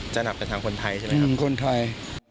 ข้างใดถึงคนไทยเป็นคนไทย